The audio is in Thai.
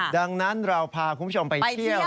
ดังนั้นเราพาคุณผู้ชมไปเที่ยวไปเที่ยว